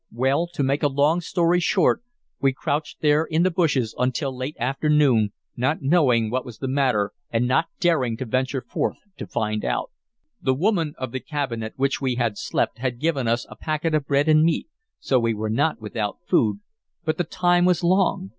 Well, to make a long story short, we crouched there in the bushes until late afternoon, not knowing what was the matter, and not daring to venture forth to find out. The woman of the cabin at which we had slept had given us a packet of bread and meat, so we were not without food, but the time was long.